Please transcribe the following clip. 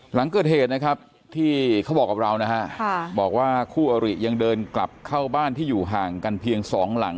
หลังเกิดเหตุนะครับที่เขาบอกกับเรานะฮะบอกว่าคู่อริยังเดินกลับเข้าบ้านที่อยู่ห่างกันเพียงสองหลัง